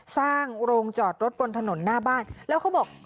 สร้างโรงจอดรถบนถนนหน้าบ้านแล้วเขาบอก